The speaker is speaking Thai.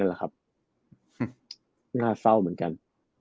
นั่นแหละครับเส้าเหมือนกัน